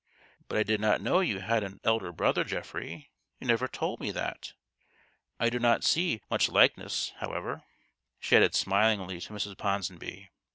but I did not know you had an elder brother, Geoffrey. You never told me that. I do not see much likeness, however," she added smilingly to Mrs. Ponsonby.